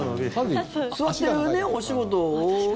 座ってるお仕事。